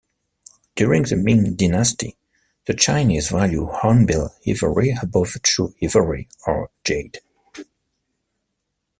During the Ming dynasty, the Chinese valued hornbill ivory above true ivory or jade.